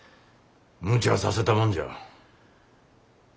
むちゃさせたもんじゃ。